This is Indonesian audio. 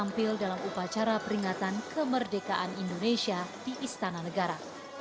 tampil dalam upacara peringatan kemerdekaan indonesia di istana negara